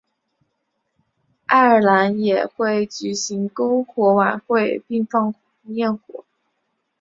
爱尔兰也会举行篝火晚会并放焰火。